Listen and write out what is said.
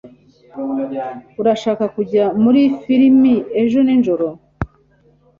Urashaka kujya muri firime ejo nijoro